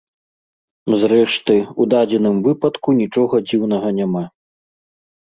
Зрэшты, у дадзеным выпадку нічога дзіўнага няма.